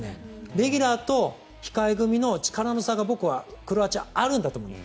レギュラーと控え組の力の差が僕はクロアチアはあるんだと思います。